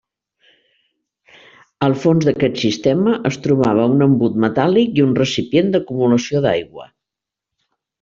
Al fons d'aquest sistema es trobava un embut metàl·lic i un recipient d'acumulació d'aigua.